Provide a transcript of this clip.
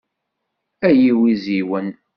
Ay iwiziwen.